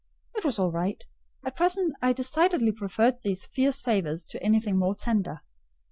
It was all right: at present I decidedly preferred these fierce favours to anything more tender.